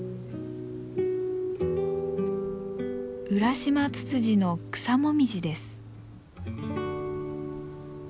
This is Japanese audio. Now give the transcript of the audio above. ウラシマツツジの草紅葉です。